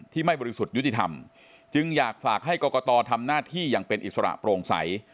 ไม่บริสุทธิ์ยุติธรรมจึงอยากฝากให้กรกตทำหน้าที่อย่างเป็นอิสระโปร่งใส